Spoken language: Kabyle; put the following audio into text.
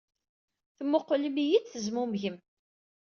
Temmuqqlem-iyi-d, tezmumgem.